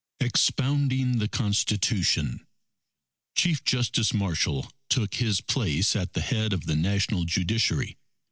EXPOUNDING THE CONSTITUTION Chief Justice Marshall took his place at the head of the National Judiciary.